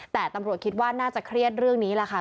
แต่ตำรวจคิดว่าน่าจะเครียดเรื่องนี้แหละค่ะ